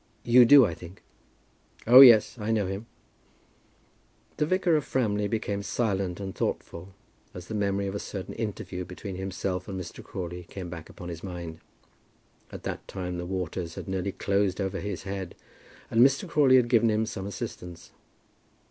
You do, I think?" "Oh, yes. I know him." And the vicar of Framley became silent and thoughtful as the memory of a certain interview between himself and Mr. Crawley came back upon his mind. At that time the waters had nearly closed over his head and Mr. Crawley had given him some assistance.